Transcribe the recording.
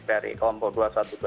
dari kelompok dua ratus dua belas